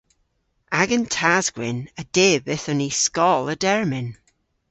Agan tas-gwynn a dyb yth on ni skoll a dermyn.